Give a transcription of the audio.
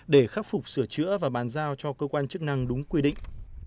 để khắc phục sửa chữa và bàn giao cho cơ quan chức năng đúng quy định